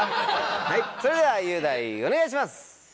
それでは雄大お願いします！